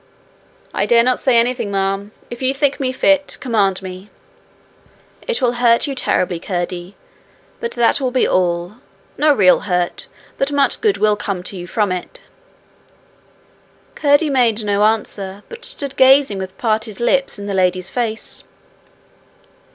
'I dare not say anything, ma'am. If you think me fit, command me.' 'It will hurt you terribly, Curdie, but that will be all; no real hurt but much good will come to you from it.' Curdie made no answer but stood gazing with parted lips in the lady's face.